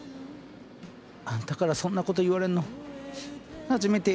あんたからそんなこと言われんの初めてや。